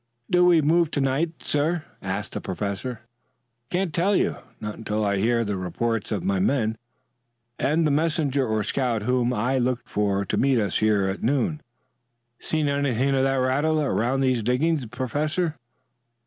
"Do we move to night, sir?" asked the professor. "Can't tell you. Not until I hear the reports of my men, and the messenger or scout whom I looked for to meet us here at noon. Seen. anything of that rattler around these diggings, Professor?"